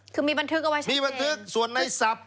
คือมีบันทึกเอาไว้เฉพาะเองมีบันทึกส่วนนายสับ